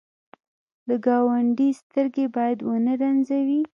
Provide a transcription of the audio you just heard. د ګاونډي سترګې باید ونه رنځوې